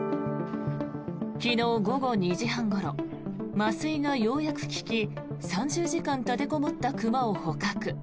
昨日午後２時半ごろ麻酔がようやく効き３０時間立てこもった熊を捕獲。